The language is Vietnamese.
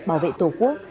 bảo vệ tổ quốc